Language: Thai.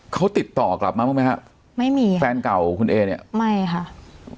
เขาติดต่อกลับมาบ้างไหมฮะไม่มีค่ะแฟนเก่าคุณเอเนี่ยไม่ค่ะ